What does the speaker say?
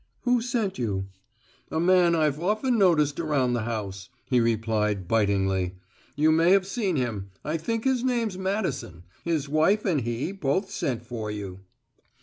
"Who sent you?" "A man I've often noticed around the house," he replied blightingly. "You may have seen him I think his name's Madison. His wife and he both sent for you."